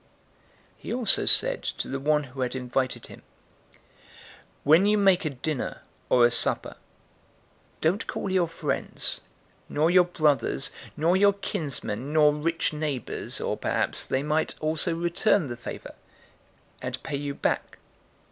014:012 He also said to the one who had invited him, "When you make a dinner or a supper, don't call your friends, nor your brothers, nor your kinsmen, nor rich neighbors, or perhaps they might also return the favor, and pay you back.